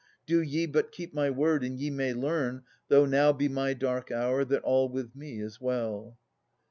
Do ye But keep my word, and ye may learn, though now Be my dark hour, that all with me is well.